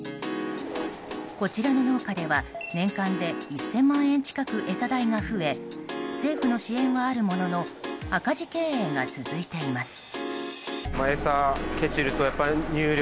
こちらの農家では、年間で１０００万円近く餌代が増え政府の支援はあるものの赤字経営が続いています。